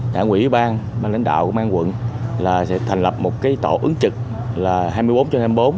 đảng quỹ bang bang lãnh đạo của an quận là sẽ thành lập một cái tổ ứng trực là hai mươi bốn trên hai mươi bốn